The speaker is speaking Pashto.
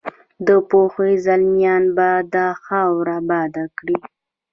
د پوهې زلمیان به دا خاوره اباده کړي.